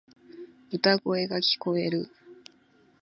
歌声が聞こえる。